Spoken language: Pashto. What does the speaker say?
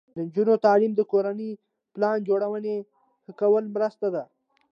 د نجونو تعلیم د کورنۍ پلان جوړونې ښه کولو مرسته ده.